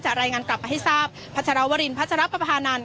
จะรายงานกลับมาให้ทราบพระเจราวรินพระเจราประพานาน